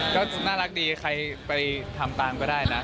ก็น่ารักดีใครไปทำตามก็ได้นะ